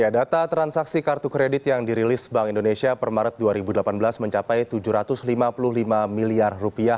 data transaksi kartu kredit yang dirilis bank indonesia per maret dua ribu delapan belas mencapai rp tujuh ratus lima puluh lima miliar